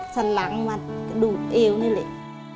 สันหลังดูดเอวนี่เลย